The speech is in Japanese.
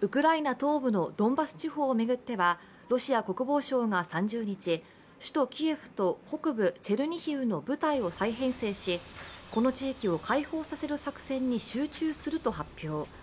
ウクライナ東部のドンバス地方を巡ってはロシア国防省が３０日、首都キエフと北部チェルニヒウの部隊を再編成し、この地域を解放させる作戦に集中すると発表。